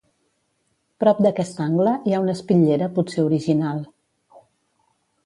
Prop d'aquest angle hi ha una espitllera, potser original.